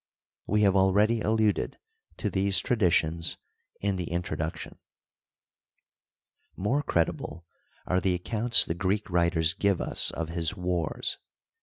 We have already alluded to these traditions in the introduction. More credible are the accounts the Greek writers give us of his wars.